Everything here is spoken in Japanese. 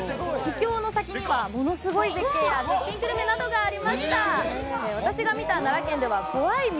秘境の先には、ものすごい絶景や絶品グルメなどがありました。